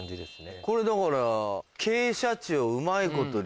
これだから。